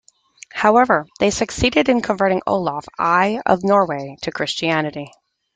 However, they succeeded in converting Olaf I of Norway to Christianity.